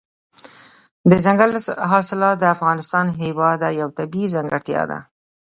دځنګل حاصلات د افغانستان هېواد یوه طبیعي ځانګړتیا ده.